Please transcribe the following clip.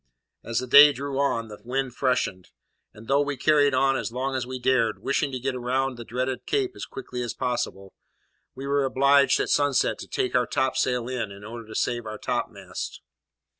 As the day drew on, the wind freshened; and, though we carried on as long as we dared, wishing to get round the dreaded Cape as quickly as possible, we were obliged at sunset to take our topsail in, in order to save our topmast.